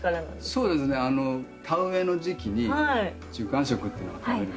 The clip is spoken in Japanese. そうですねあの田植えの時期に中間食っていうのを食べる。